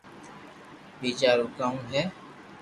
ٻيجا رو ڪانو ھي